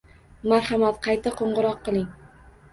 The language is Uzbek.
Marhamat, qayta qo'ng'iroq qiling.